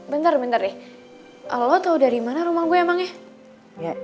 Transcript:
bentar bentar deh lo tau dari mana rumah gue emangnya